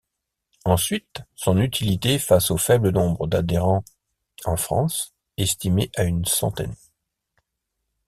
Ensuite son utilité face au faible nombre d'adhérents en France estimé à une centaine.